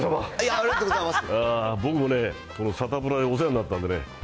ありがとうございます。